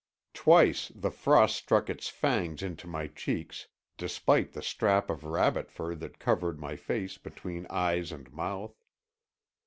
Twice the frost struck its fangs into my cheeks, despite the strap of rabbit fur that covered my face between eyes and mouth.